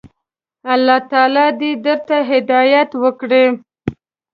الله تعالی دي درته هدايت وکړي.